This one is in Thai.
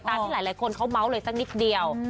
ที่หลายคนเขาเมาส์เลยสักนิดเดียว